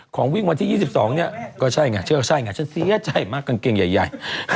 ของวิ่งวันที่๒๒เนี่ยก็ใช่ไงเชื่อใช่ไงฉันเสียใจมากกางเกงใหญ่